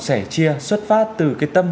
sẻ chia xuất phát từ cái tâm